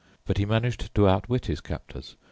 But he managed to outwit his captors.